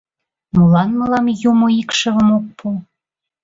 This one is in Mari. — Молан мылам Юмо икшывым ок пу?